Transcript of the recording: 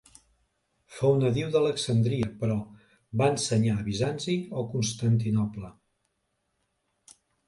Fou nadiu d'Alexandria, però va ensenyar a Bizanci o Constantinoble.